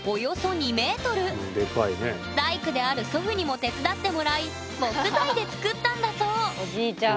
大工である祖父にも手伝ってもらい木材で作ったんだそうおじいちゃん。